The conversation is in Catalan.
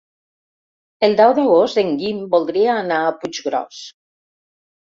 El deu d'agost en Guim voldria anar a Puiggròs.